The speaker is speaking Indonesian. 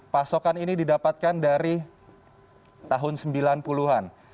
pasokan ini didapatkan dari tahun sembilan puluh an